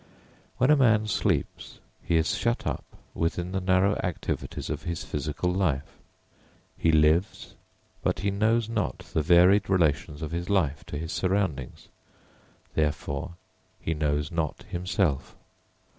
When a man sleeps he is shut up within the narrow activities of his physical life. He lives, but he knows not the varied relations of his life to his surroundings, therefore he knows not himself.